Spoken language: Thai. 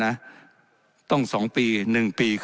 และยังเป็นประธานกรรมการอีก